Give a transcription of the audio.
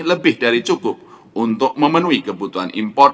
lebih dari cukup untuk memenuhi kebutuhan impor